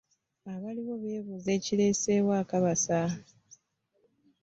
Abaaliwo beebuuza ekireeseewo akabasa